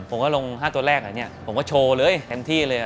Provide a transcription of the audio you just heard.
ผมก็ลง๕ตัวแรกอันนี้ผมก็โชว์เลยเต็มที่เลย